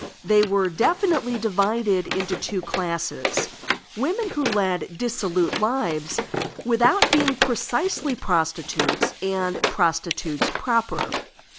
They were definitely divided into two classes: women who led dissolute lives without being precisely prostitutes, and prostitutes proper.